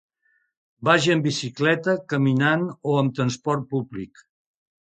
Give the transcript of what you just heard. Vagi amb bicicleta, caminant o amb transport públic.